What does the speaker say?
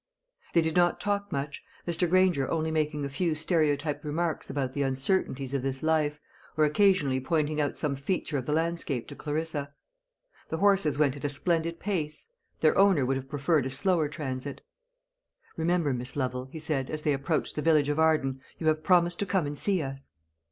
They did not talk much, Mr. Granger only making a few stereotyped remarks about the uncertainties of this life, or occasionally pointing out some feature of the landscape to Clarissa. The horses went at a splendid pace Their owner would have preferred a slower transit. "Remember, Miss Lovel," he said, as they approached the village of Arden, "you have promised to come and see us."